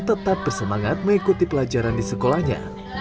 tetap bersemangat mengikuti pelajaran di sekolahnya